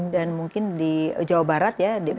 dan mungkin di jawa barat ya